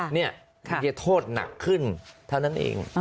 นี่คือโทษหนักขึ้นเท่านั้นเอง